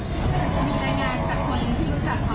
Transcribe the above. มีรายงานกับคนที่รู้จักเขา